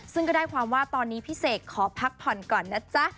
ซึ่งก็ได้ความว่าตอนนี้พี่เสกขอพักผ่อนก่อนนะจ๊ะ